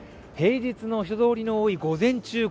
平日の人通りの多い午前中